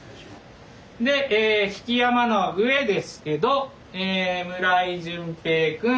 で曳山の上ですけど村井順平くん